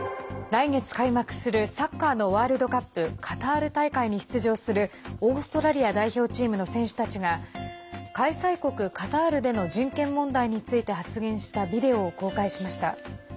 来月開幕するサッカーのワールドカップカタール大会に出場するオーストラリア代表チームの選手たちが開催国カタールでの人権問題について発言したビデオを公開しました。